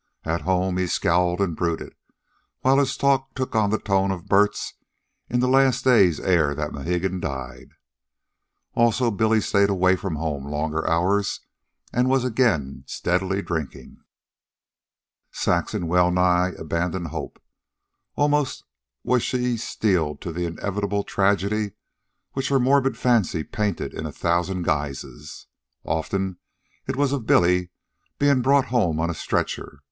At home, he scowled and brooded, while his talk took on the tone of Bert's in the last days ere that Mohegan died. Also, Billy stayed away from home longer hours, and was again steadily drinking. Saxon well nigh abandoned hope. Almost was she steeled to the inevitable tragedy which her morbid fancy painted in a thousand guises. Oftenest, it was of Billy being brought home on a stretcher.